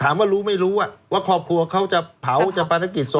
ถามว่ารู้ไม่รู้ว่าครอบครัวเขาจะเผาจะปฏิกิจสม